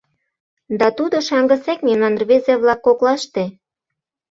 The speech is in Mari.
— Да тудо шаҥгысек мемнан рвезе-влак коклаште.